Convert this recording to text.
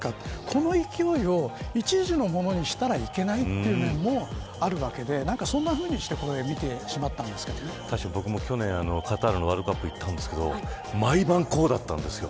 この勢いを一時のものにしたらいけないというのもあるわけで、そんなふうにして確かに僕も去年カタールのワールドカップに行ったんですけど毎晩、こうだったんですよ。